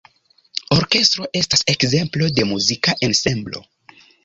Orkestro estas ekzemplo de muzika ensemblo.